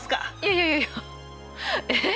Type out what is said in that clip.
いやいやいやえっ？